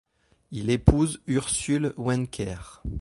Il épouse Ursule Wencker.